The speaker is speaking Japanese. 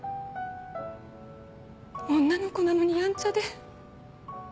女の子なのにやんちゃで。